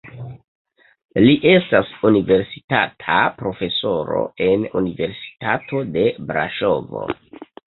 Li estas universitata profesoro en Universitato de Braŝovo.